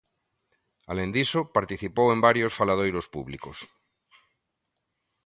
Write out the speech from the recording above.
Alén diso, participou en varios faladoiros públicos.